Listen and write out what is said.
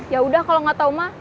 yaudah kalau gak tau ma